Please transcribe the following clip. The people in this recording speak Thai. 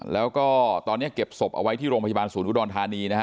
แล้วก็ตอนนี้เก็บศพเอาไว้ที่โรงพยาบาลศูนย์อุดรธานีนะฮะ